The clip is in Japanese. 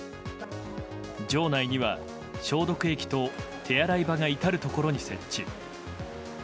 場内には消毒液と手洗い場が至るところに設置。